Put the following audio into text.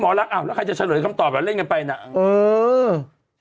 หมอลักษมณ์อ้าวแล้วใครจะเฉลยคำตอบแบบเล่นกันไปน่ะเออ